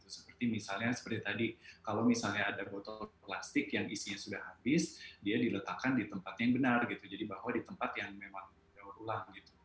seperti misalnya seperti tadi kalau misalnya ada botol plastik yang isinya sudah habis dia diletakkan di tempat yang benar gitu jadi bahwa di tempat yang memang daur ulang gitu